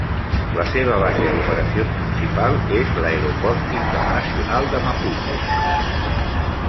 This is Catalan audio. La seva base d'operacions principal és l'Aeroport Internacional de Maputo.